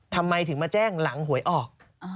ทำไมถึงมาแจ้งหลังหวยออก